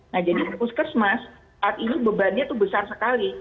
nah jadi puskesmas saat ini bebannya itu besar sekali